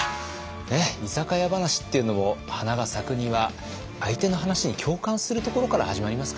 居酒屋話っていうのも花が咲くには相手の話に共感するところから始まりますからね。